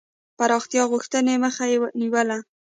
پراختیا غوښتني مخه یې نیوله.